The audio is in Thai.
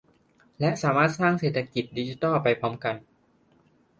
และสามารถสร้างเศรษฐกิจดิจิทัลไปพร้อมกัน